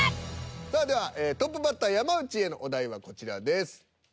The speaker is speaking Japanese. さあではトップバッター山内へのお題はこちらです。